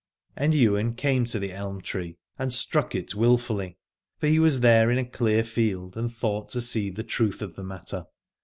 And Ywain came to the elm 140 Aladore tree and struck it wilfully, for he was there in a clear field and thought to see the truth of the matter.